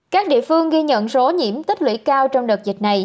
các địa phương ghi nhận số nhiễm tích lũy cao trong đợt dịch này